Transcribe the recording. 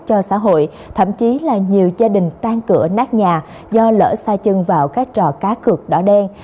cho xã hội thậm chí là nhiều gia đình tan cửa nát nhà do lỡ xa chân vào các trò cá cực đỏ đen